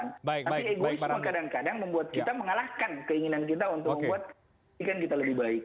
tapi egoisme kadang kadang membuat kita mengalahkan keinginan kita untuk membuat ikan kita lebih baik